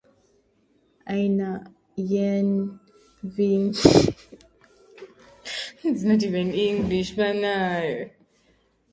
Aina yenye vichwa vidogo kama vile Oxheart zipandikizwe